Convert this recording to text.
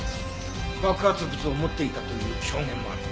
爆発物を持っていたという証言もある。